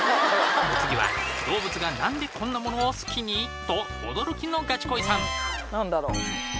お次は動物が何でこんなものを好きに？と驚きのガチ恋さん